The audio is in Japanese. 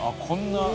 こんな」